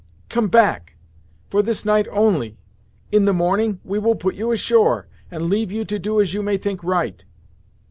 "Come back for this night only; in the morning, we will put you ashore, and leave you to do as you may think right."